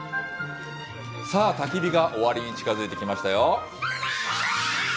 さあ、たき火が終わりに近づいてきましたよ。